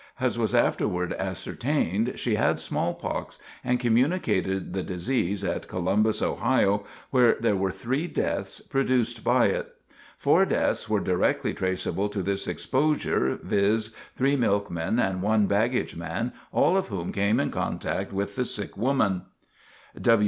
As was afterward ascertained, she had smallpox, and communicated the disease at Columbus, Ohio, where there were three deaths produced by it. Four deaths were directly traceable to this exposure, viz.: three milkmen and one baggage man, all of whom came in contact with the sick woman.